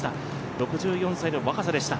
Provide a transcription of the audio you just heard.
６４歳の若さでした。